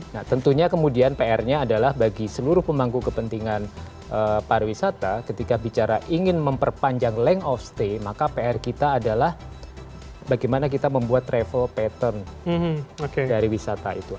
nah tentunya kemudian pr nya adalah bagi seluruh pemangku kepentingan pariwisata ketika bicara ingin memperpanjang leng of stay maka pr kita adalah bagaimana kita membuat travel pattern dari wisata itu